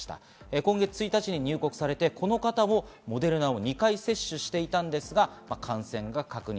今月１日に入国されて、この方もモデルナを２回接種していたんですが、感染が確認。